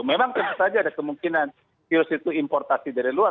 memang tentu saja ada kemungkinan virus itu importasi dari luar